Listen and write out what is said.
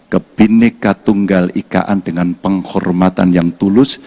ke bineka tunggal ikaan dengan penghormatan yang tulus